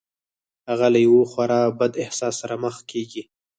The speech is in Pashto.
هغه له یوه خورا بد احساس سره مخ کېږي